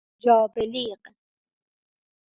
جابلیق